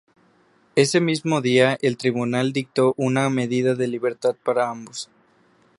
Ese mismo día el tribunal dictó una medida de libertad para ambos.